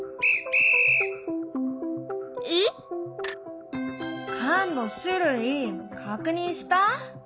えっ？缶の種類確認した？